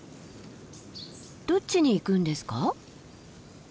どっちに行くんですか？